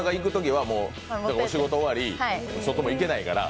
お仕事終わり、外も行けないから。